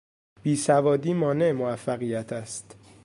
بیسوادی مانع موفقیت است.